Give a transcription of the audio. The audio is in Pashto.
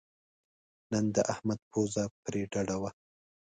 نن د احمد پوزه پرې ډډه وه.